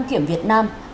nguyễn văn nguyễn trọng